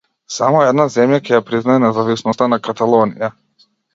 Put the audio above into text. Само една земја ќе ја признае независноста на Каталонија.